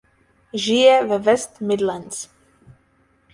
Žije ve West Midlands.